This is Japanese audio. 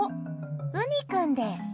うに君です。